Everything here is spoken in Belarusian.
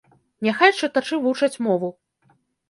Няхай чытачы вучаць мову.